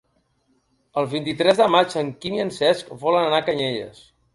El vint-i-tres de maig en Quim i en Cesc volen anar a Canyelles.